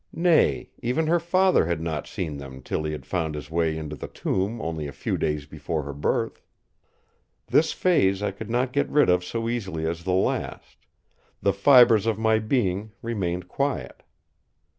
Nay, even her father had not seen them till he had found his way into the tomb only a few days before her birth. This phase I could not get rid of so easily as the last; the fibres of my being remained quiet.